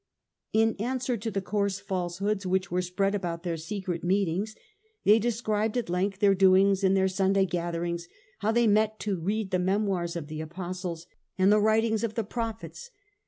In answer to the coarse falsehoods which were spread about their secret meetings, they described at length their doings in their Sunday gatherings — how they met to read the memoirs of the Apostles and the writings of the Prophets.